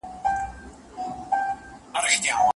له کوم ډول ښځو سره باید واده وشي؟